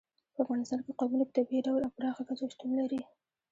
په افغانستان کې قومونه په طبیعي ډول او پراخه کچه شتون لري.